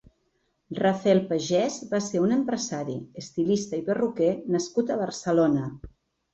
Raffel Pagès va ser un empresari, estilista i perruquer nascut a Barcelona.